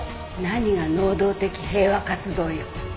何が能動的平和活動よ。